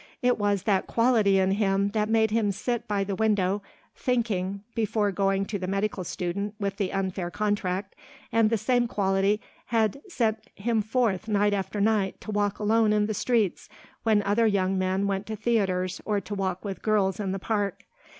It was that quality in him that made him sit by the window thinking before going to the medical student with the unfair contract, and the same quality had sent him forth night after night to walk alone in the streets when other young men went to theatres or to walk with girls in the park.